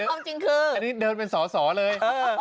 อ่านี่เดินเป็นสอเลย